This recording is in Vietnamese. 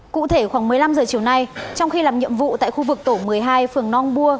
cụ thể khoảng một mươi năm h chiều nay trong khi làm nhiệm vụ tại khu vực tổ một mươi hai phường nong bua